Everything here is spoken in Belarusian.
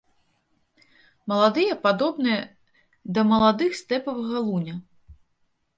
Маладыя падобныя да маладых стэпавага луня.